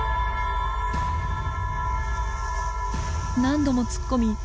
何度も突っ込み